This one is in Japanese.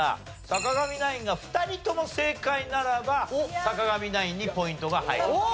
坂上ナインが２人とも正解ならば坂上ナインにポイントが入ります。